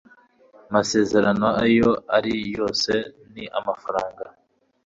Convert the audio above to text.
masezerano ayo ari yo yose ni amafaranga